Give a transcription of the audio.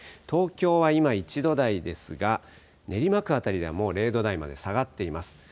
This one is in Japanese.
東京は今、１度台ですが練馬区辺りでは０度台まで下がっています。